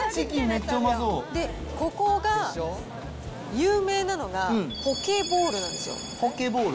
ここが有名なのが、ポケボウルなんですよ。